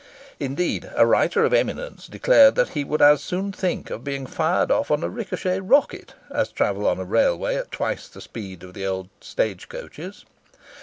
Indeed, a writer of eminence declared that he would as soon think of being fired off on a ricochet rocket, as travel on a railway at twice the speed of the old stagecoaches.